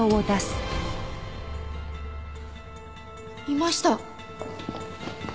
いました！